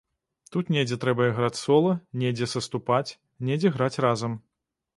Тут недзе трэба іграць сола, недзе саступаць, недзе граць разам.